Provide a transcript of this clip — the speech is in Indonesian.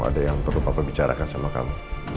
ada yang perlu bapak bicarakan sama kami